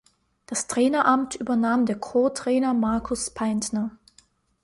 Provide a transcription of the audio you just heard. Das Traineramt übernahm der Co-Trainer Markus Peintner.